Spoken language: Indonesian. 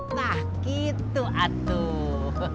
nah gitu atuh